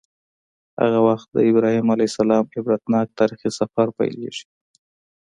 هغه وخت د ابراهیم علیه السلام عبرتناک تاریخي سفر پیلیږي.